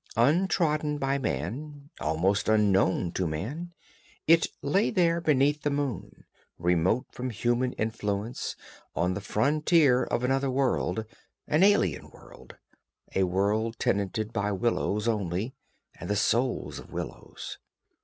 Untrodden by man, almost unknown to man, it lay there beneath the moon, remote from human influence, on the frontier of another world, an alien world, a world tenanted by willows only and the souls of willows.